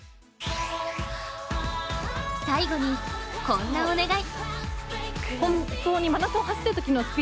最後に、こんなお願い。